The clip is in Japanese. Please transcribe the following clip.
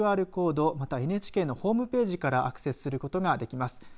ＱＲコードまたはＮＨＫのホームページからアクセスすることができます